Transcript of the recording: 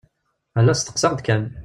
Ala steqsaɣ-d kan.